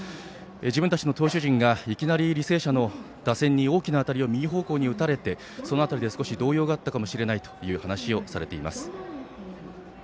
自分たちの投手陣がいきなり履正社の打線に大きな当たりを右方向に打たれてその辺りで少し動揺があったかもしれないという話をされています。